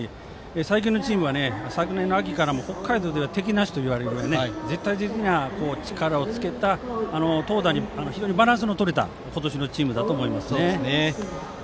最近のチームは昨年の秋から北海道では敵なしといわれるぐらい絶対的な力をつけた投打に非常にバランスの取れた今年のチームだと思います。